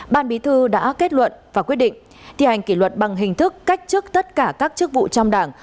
ban bí thư đã kết luận và quyết định thi hành kỷ luật bằng hình thức cách chức tất cả các chức vụ trong đảng